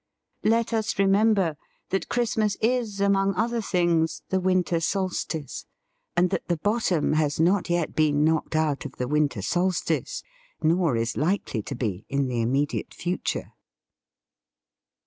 Let us remember that Christmas is, among other things, the winter solstice, and that the bottom has not yet been knocked out of the winter solstice, nor is likely to be in the immediate future!